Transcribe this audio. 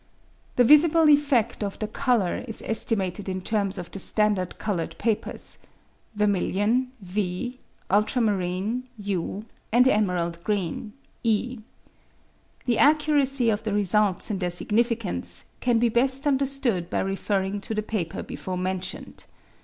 The visible effect of the colour is estimated in terms of the standard coloured papers: vermilion (V), ultramarine (U), and emerald green (E). The accuracy of the results, and their significance, can be best understood by referring to the paper before mentioned.